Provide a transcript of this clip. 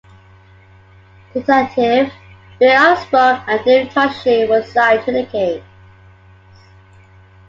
Detectives Bill Armstrong and Dave Toschi were assigned to the case.